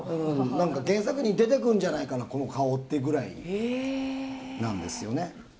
なんか原作に出てくるんじゃないかな、この顔っていうぐらいなんですよね。